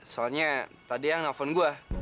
soalnya tadi yang nelfon gua